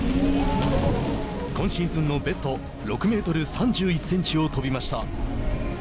今シーズンのベスト６メートル３１センチを跳びました。